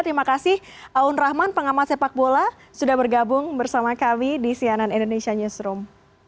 terima kasih aun rahman pengamat sepak bola sudah bergabung bersama kami di cnn indonesia newsroom